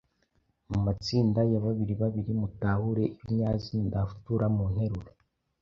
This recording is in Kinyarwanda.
Mu matsinda ya babiribabiri mutahure ibinyazina ndafutura mu nteruro,